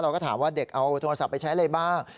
เราก็ถามว่าเด็กเอาโทรศัพท์ไปใช้อะไรบ้าง